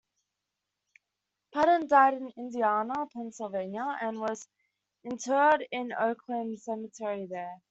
Patton died in Indiana, Pennsylvania and was interred in Oakland Cemetery there.